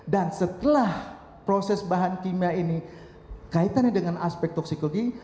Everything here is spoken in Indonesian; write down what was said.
dan setelah proses bahan kimia ini kaitannya dengan aspek toksikologi